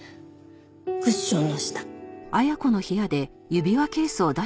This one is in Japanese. クッションの下。